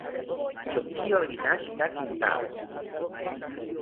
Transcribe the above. Chokiyo rinashita kintawo